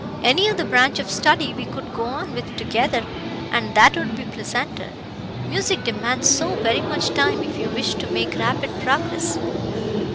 Any other branch of study we could go on with together, and that would be pleasanter. Music demands so very much time if you wish to make rapid progress."